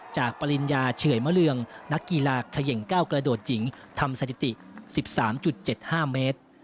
ปริญญาเฉื่อยมะเรืองนักกีฬาเขย่งก้าวกระโดดหญิงทำสถิติ๑๓๗๕เมตร